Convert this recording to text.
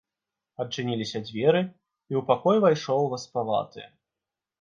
Адчыніліся дзверы, і ў пакой увайшоў васпаваты.